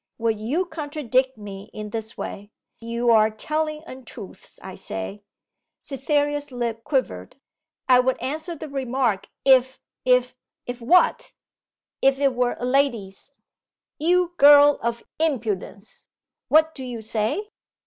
'Will you contradict me in this way! You are telling untruths, I say.' Cytherea's lip quivered. 'I would answer the remark if if ' 'If what?' 'If it were a lady's!' 'You girl of impudence what do you say?